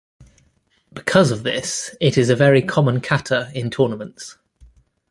Because of this, it is a very common kata in tournaments.